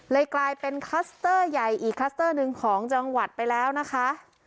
กลายเป็นคลัสเตอร์ใหญ่อีกคลัสเตอร์หนึ่งของจังหวัดไปแล้วนะคะ